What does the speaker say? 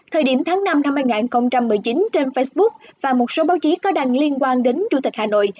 thời điểm tháng năm năm hai nghìn một mươi chín trên facebook và một số báo chí có đăng liên quan đến chủ tịch hà nội